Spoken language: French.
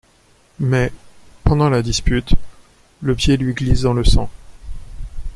Mais, pendant la dispute, le pied lui glisse dans le sang.